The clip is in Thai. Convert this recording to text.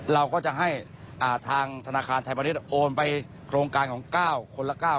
เราก็จะให้ทางธนาคารไทยพาณิชย์โอนไปโครงการของ๙คนละ๙